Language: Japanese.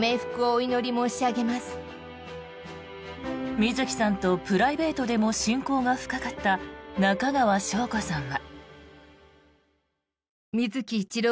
水木さんとプライベートでも親交が深かった中川翔子さんは。